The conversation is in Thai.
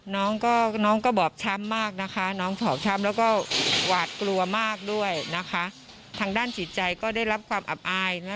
น้องก็น้องก็บอบช้ำมากนะคะน้องถอบช้ำแล้วก็หวาดกลัวมากด้วยนะคะทางด้านจิตใจก็ได้รับความอับอายนะ